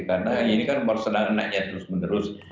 karena ini kan meresananya terus menerus